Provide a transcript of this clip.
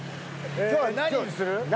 今日は何何にする？